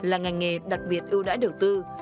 là ngành nghề đặc biệt ưu đãi đầu tư